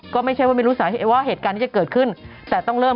ก็ไม่ใช่ว่าไม่รู้สาเหตุว่าเหตุการณ์ที่จะเกิดขึ้นแต่ต้องเริ่ม